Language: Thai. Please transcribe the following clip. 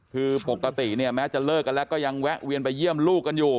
คือปกติเนี่ยแม้จะเลิกกันแล้วก็ยังแวะเวียนไปเยี่ยมลูกกันอยู่